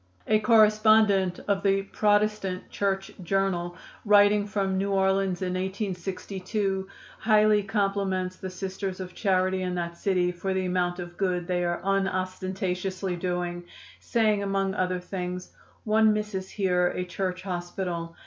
A correspondent of the (Protestant) Church Journal, writing from New Orleans in 1862, highly compliments the Sisters of Charity in that city for the amount of good they are unostentatiously doing, saying among other things: "One misses here a church hospital.